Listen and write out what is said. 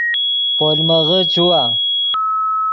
پولمغے چیوا